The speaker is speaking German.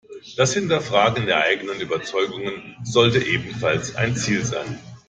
Das Hinterfragen der eigenen Überzeugungen sollte ebenfalls ein Ziel sein.